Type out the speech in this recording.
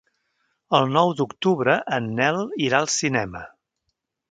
El nou d'octubre en Nel irà al cinema.